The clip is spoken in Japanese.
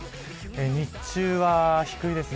日中は低いですね。